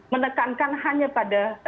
menekankan hanya pada